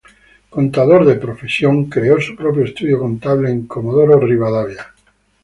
Contador de profesión, creó su propio estudio contable en Comodoro Rivadavia.